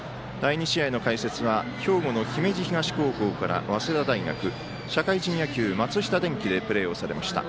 第２試合の解説は兵庫の姫路東高校から早稲田大学社会人野球、松下電器でプレーされました。